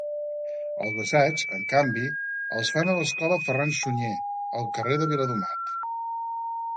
Els assaigs, en canvi, els fan a l'escola Ferran Sunyer, al carrer de Viladomat.